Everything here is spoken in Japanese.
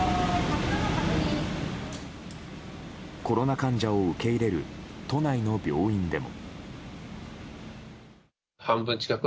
コロナ患者を受け入れる都内の病院でも。